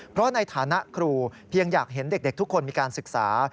เพราะในฐานะครูเพียงอยากเห็นเด็กทุกคนมีการศึกษา